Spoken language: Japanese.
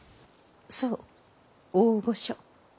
そう大御所。